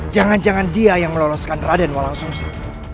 jangan jangan dia yang meloloskan raden walang sumsi